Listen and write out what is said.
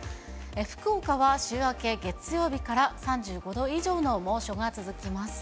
福岡は週明け月曜日から３５度以上の猛暑が続きます。